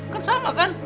kan sama kan